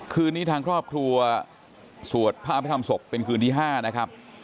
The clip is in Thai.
คืนนี้ทางครอบครัวสวดพระอภิษฐรรศพเป็นคืนที่๕นะครับ